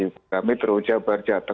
kami teruja berjata